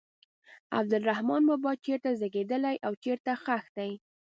عبدالرحمان بابا چېرته زیږېدلی او چیرې ښخ دی.